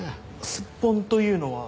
すっぽんというのは？